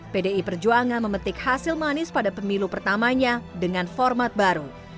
pdi perjuangan memetik hasil manis pada pemilu pertamanya dengan format baru